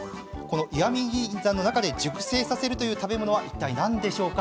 石見銀山の中で熟成させるという食べ物はいったい何でしょうか？